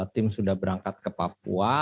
tim sudah berangkat ke papua